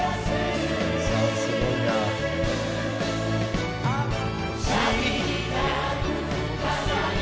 すごいな。